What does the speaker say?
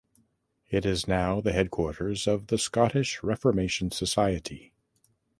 It is now the headquarters of the Scottish Reformation Society.